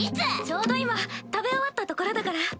ちょうど今食べ終わったところだから。